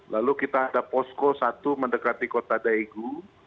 lalu kita ada posko satu mendekati kota daegu